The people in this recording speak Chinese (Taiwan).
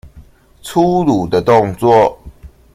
粗魯的動作